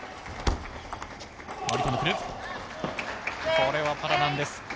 これはパラナンです。